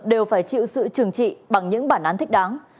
đều phải chịu sự trừng trị bằng những bản án thích đáng